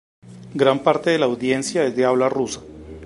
Gran parte de su audiencia es de habla rusa.